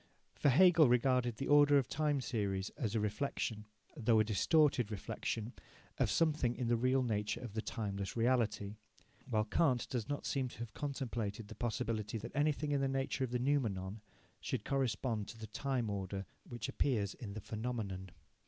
For Hegel regarded the order of the time series as a reflexion, though a distorted reflexion, of something in the real nature of the timeless reality, while Kant does not seem to have contemplated the possibility that anything in the nature of the noumenon should correspond to the time order which appears in the phenomenon.